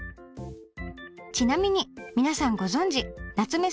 ちなみに皆さんご存じ夏目